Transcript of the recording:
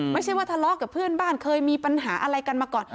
ไม่ใช่ว่าทะเลาะกับเพื่อนบ้านเคยมีปัญหาอะไรกันมาก่อน